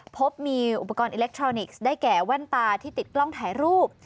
พบมีอุปกรณ์อิเล็กทรอนิกส์ได้แก่แว่นตาที่ติดกล้องถ่ายรูป